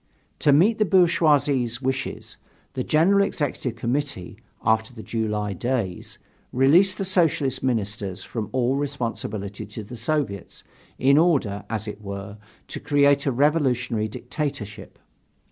To meet the bourgeoisie's wishes, the General Executive Committee, after the July days, released the Socialist Ministers from all responsibility to the Soviets, in order, as it were, to create a revolutionary dictatorship.